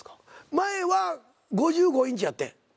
前は５５インチやってん。